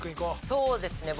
そうですね